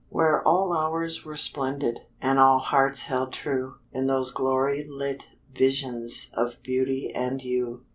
Where all hours were splendid, And all hearts held true, In those glory lit visions Of beauty and you.